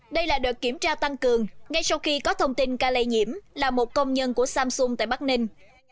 đây là đợt kiểm tra tăng cường ngay sau khi có thông tin ca lây nhiễm là một công nhân của samsung tại bắc ninh